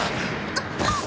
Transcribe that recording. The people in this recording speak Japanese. あっ！